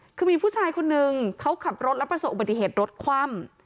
คือมีผู้ชายคนนึงเขาขับรถแล้วประสบอุบัติเหตุรถคว่ำ